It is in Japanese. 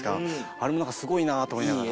あれもなんかすごいなと思いながら。